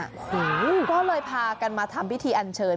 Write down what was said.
โอ้โหก็เลยพากันมาทำพิธีอันเชิญ